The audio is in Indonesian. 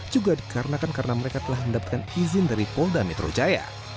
juga dikarenakan karena mereka telah mendapatkan izin dari polda metro jaya